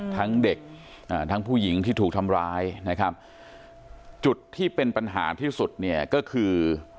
ทั้งเด็กอ่าทั้งผู้หญิงที่ถูกทำร้ายนะครับจุดที่เป็นปัญหาที่สุดเนี่ยก็คือ